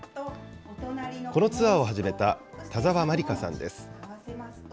このツアーを始めた田澤麻里香さんです。